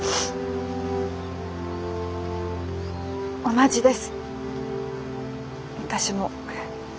同じです私も。